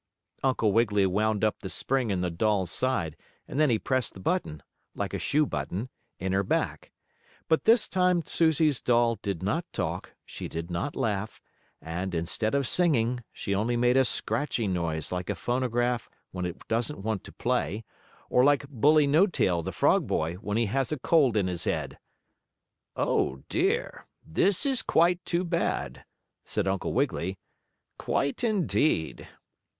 Uncle Wiggily wound up the spring in the doll's side, and then he pressed the button like a shoe button in her back. But this time Susie's doll did not talk, she did not laugh, and, instead of singing, she only made a scratchy noise like a phonograph when it doesn't want to play, or like Bully No Tail, the frog boy, when he has a cold in his head. "Oh, dear! This is quite too bad!" said Uncle Wiggily. "Quite indeed."